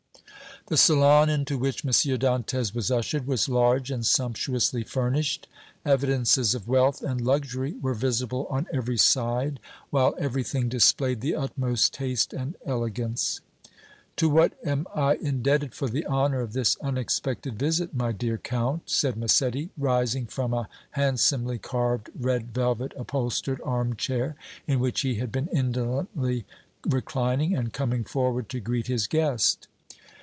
The salon into which M. Dantès was ushered was large and sumptuously furnished; evidences of wealth and luxury were visible on every side, while everything displayed the utmost taste and elegance. "To what am I indebted for the honor of this unexpected visit, my dear Count?" said Massetti, rising from a handsomely carved, red velvet upholstered arm chair, in which he had been indolently reclining, and coming forward to greet his guest.